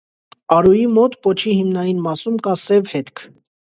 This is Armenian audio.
Արուի մոտ պոչի հիմնային մասում կա սև հետք։